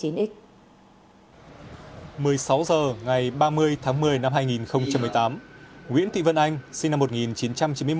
một mươi sáu h ngày ba mươi tháng một mươi năm hai nghìn một mươi tám nguyễn thị vân anh sinh năm một nghìn chín trăm chín mươi một